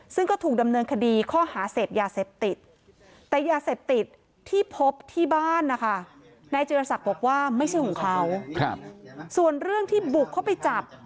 ซึ่งก็ถูกดำเนินคดีข้อหาเสพยาเสพติด